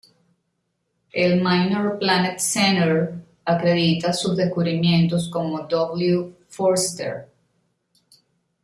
El Minor Planet Center acredita sus descubrimientos como W. Forster.